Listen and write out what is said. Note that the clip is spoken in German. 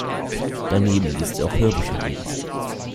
Daneben liest sie auch Hörbücher ein.